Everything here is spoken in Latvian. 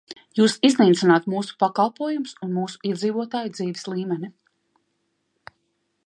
Jūs iznīcināt mūsu pakalpojumus un mūsu iedzīvotāju dzīves līmeni.